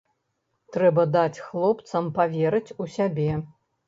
Трэба даць хлопцам паверыць у сябе.